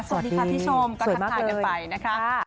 สวัสดีค่ะพี่ชมก็ทักทายกันไปนะคะ